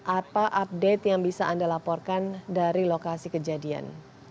apa update yang bisa anda laporkan dari lokasi kejadian